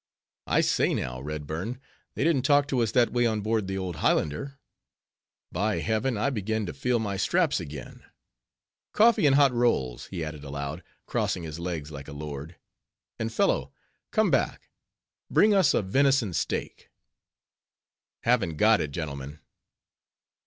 —I say now, Redburn, they didn't talk to us that way on board the old Highlander. By heaven, I begin to feel my straps again:—Coffee and hot rolls," he added aloud, crossing his legs like a lord, "and fellow—come back—bring us a venison steak." "Haven't got it, gentlemen."